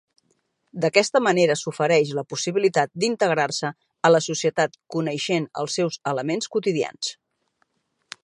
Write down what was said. D'aquesta manera s'ofereix la possibilitat d'integrar-se a la societat coneixent els seus elements quotidians.